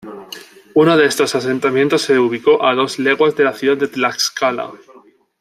Uno de estos asentamientos se ubicó, a dos leguas de la ciudad de Tlaxcala.